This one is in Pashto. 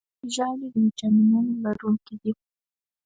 ځینې ژاولې د ویټامینونو لرونکي دي.